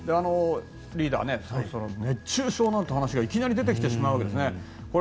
リーダーそろそろ熱中症なんて話がいきなり出てきてしまいますね。